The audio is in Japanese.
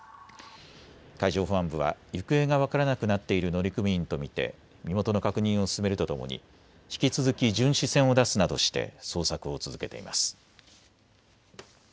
海上保安部は行方が分からなくなっている乗組員と見て身元の確認を進めるとともに引き続き巡視船を出すなどして捜索を続けています。